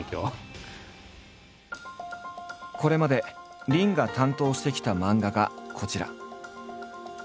これまで林が担当してきた漫画がこちら。